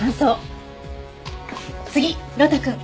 次呂太くん。